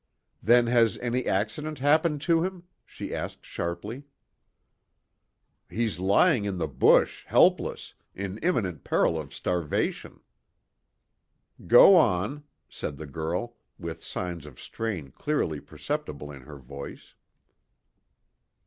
"Then has any accident happened to him?" she asked sharply. "He's lying in the bush, helpless, in imminent peril of starvation." "Go on," said the girl, with signs of strain clearly perceptible in her voice.